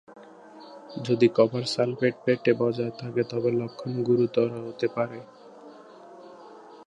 যদি copper sulphate পেটে বজায় থাকে তবে লক্ষণ গুরুতর হতে পারে।